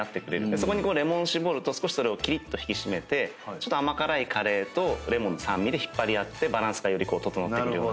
そこにレモンを搾ると少しきりっと引き締めて甘辛いカレーとレモンの酸味で引っ張り合ってバランスがより調ってくるような。